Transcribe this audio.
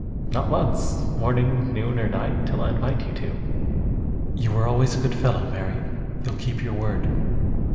"Not once, morning, noon, or night, till I invite you to. You were always a good fellow, Mary. You'll keep your word."